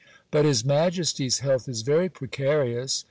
But his majesty's health is very precarious.